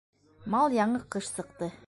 Мал яңы ҡыш сыҡты.